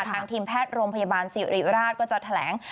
ทางทีมแพทย์โรงพยาบาลสิริราชก็จะแถลง